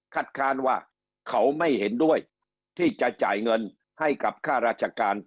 คัดค้านว่าเขาไม่เห็นด้วยที่จะจ่ายเงินให้กับข้าราชการที่เป็นเกษตร